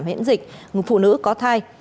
nhiễn dịch phụ nữ có thai